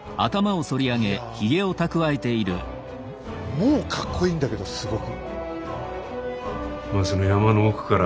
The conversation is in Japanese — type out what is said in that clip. もうかっこいいんだけどすごく。